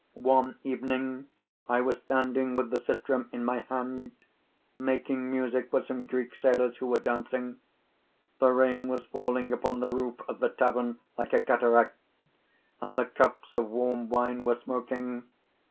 "One evening I was standing with the sistrum in my hand, making music for some Greek sailors who were dancing. The rain was falling upon the roof of the tavern like a cataract, and the cups of warm wine were smoking.